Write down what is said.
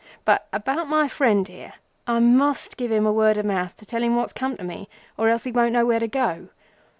But about my friend here. I must give him a word o' mouth to tell him what's come to me or else he won't know where to go.